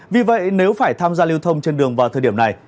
vì vậy nếu phải tham gia lưu thông trên đường vào thời điểm này